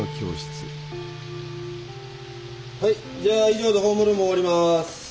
はいじゃあ以上でホームルームを終わります。